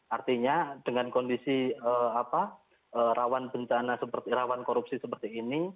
artinya dengan kondisi rawan bencana seperti rawan korupsi seperti ini